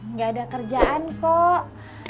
enggak ada kerjaan kok